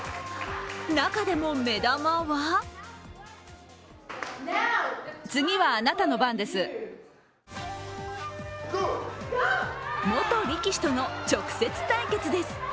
中でも目玉は元力士との直接対決です。